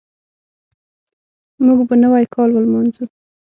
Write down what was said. موږ به نوی کال ولمانځو.